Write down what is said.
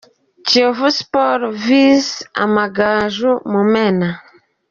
Kiyovu Sports vs Amagaju – Mumena